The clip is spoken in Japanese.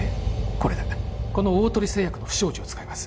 これだこの大鳥製薬の不祥事を使います